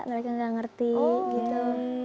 mereka nggak ngerti gitu